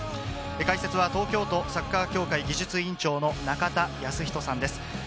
解説は東京都サッカー協会技術委員長の中田康人さんです。